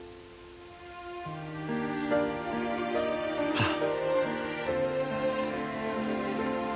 ああ。